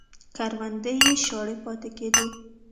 کروندې یې شاړې پاتې کېدې